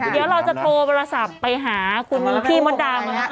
เดี๋ยวเราจะโทรเช้าสามไปหาคุณพี่มตดา